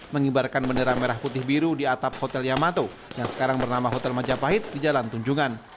mengibarkan bendera merah putih biru di atap hotel yamato yang sekarang bernama hotel majapahit di jalan tunjungan